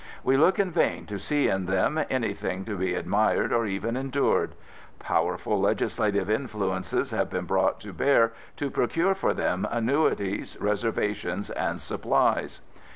We look in vain to see, in them, anything to be admired or even endured. Powerful legislative influences have been brought to bear to procure for them annuities, reservations and supplies.